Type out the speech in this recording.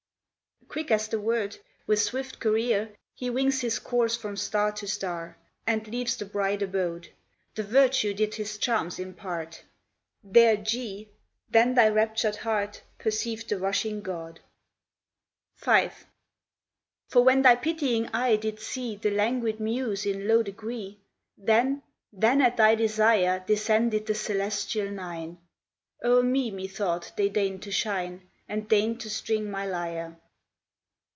Quick as the word, with swift career He wings his course from star to star, And leaves the bright abode. The Virtue did his charms impart; Their G ! then thy raptur'd heart Perceiv'd the rushing God: V. For when thy pitying eye did see The languid muse in low degree, Then, then at thy desire Descended the celestial nine; O'er me methought they deign'd to shine, And deign'd to string my lyre.